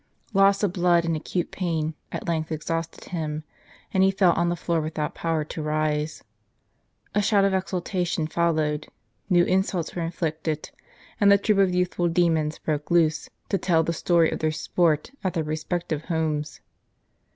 Loss of blood, and acute pain, at length exhausted him, and he fell on the floor without power to rise. A shout of exultation followed, new insults were inflicted, and the troop of youthful demons broke loose, to tell the story of their sport at their respective homes.